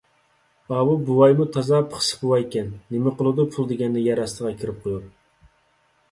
ئاۋۇ بوۋايمۇ تازا پىخسىق بوۋايكەن. نېمە قىلىدۇ پۇل دېگەننى يەر ئاستىغا ئەكىرىپ قويۇپ؟